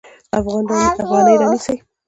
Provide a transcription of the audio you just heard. افغانۍ رانیسي.